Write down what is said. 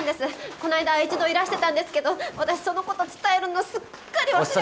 この間一度いらしてたんですけど私その事伝えるのすっかり忘れてて。